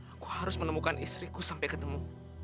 aku harus menemukan istriku sampai ketemu